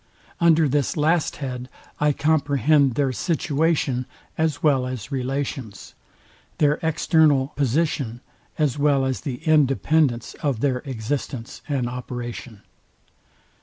Under this last head I comprehend their situation as well as relations, their external position as well as the independence of their existence and operation.